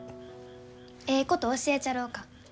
えいこと教えちゃろうか？